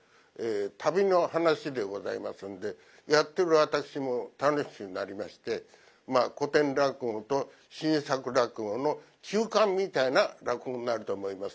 旅の話でございますんでやってる私も楽しくなりましてまあ古典落語と新作落語の中間みたいな落語になると思います。